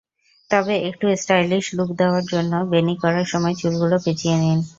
তবে একটু stylish look দেওয়ার জন্য বেণি করার সময় চুলগুলো পেঁচিয়ে নিন।